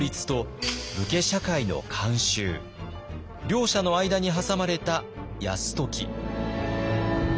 両者の間に挟まれた泰時。